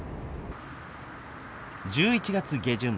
１１月下旬。